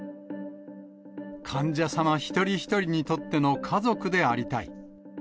患者様一人一人にとっての家族でありたい。